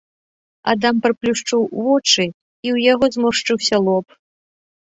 Адам прыплюшчыў вочы, і ў яго зморшчыўся лоб.